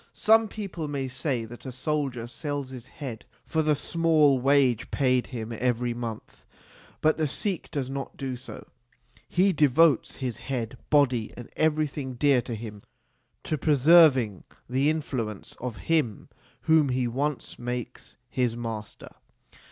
Some people may say that a soldier sells his head for the small wage paid him every month. But the Sikh does not do so : he devotes his head, body, and every thing dear to him to preserving the influence of him whom he once makes his master.